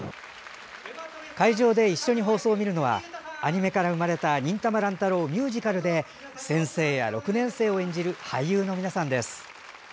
会場で一緒に放送を見るのはアニメから生まれた「忍たま乱太郎ミュージカル」で先生や６年生を演じる俳優の皆さんです。